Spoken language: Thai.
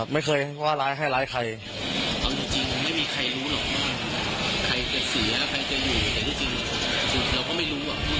ไม่เคยว่าร้ายให้ร้ายใคร